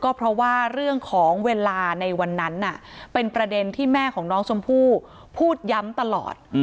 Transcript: ก็เพราะว่าเรื่องของเวลาในวันนั้นเป็นประเด็นที่แม่ของน้องชมพู่พูดย้ำตลอด